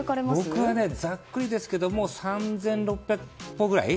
僕は、ざっくりですけども３６００歩くらい。